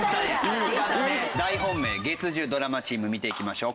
大本命月１０ドラマチーム見ていきましょう。